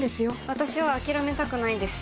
私は諦めたくないです。